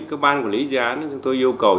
các ban quản lý dự án chúng tôi yêu cầu